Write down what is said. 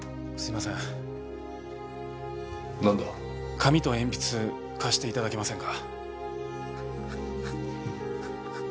紙と鉛筆貸して頂けませんか？